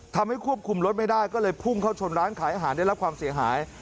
ทำให้ควบคุมรถไม่ได้ก็เลยพุ่งเข้าชนร้านขายอาหารได้รับความเสียหาย